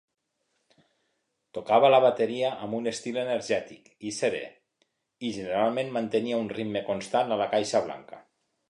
Tocava la bateria amb un estil enèrgic i serè, i generalment mantenia un ritme constant a la caixa blanca.